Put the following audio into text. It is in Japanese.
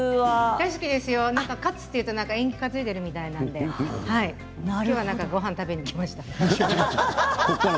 大好きですよ。カツというと縁起を担いでいるみたいなんできょうはごはんを食べに来ましたよ。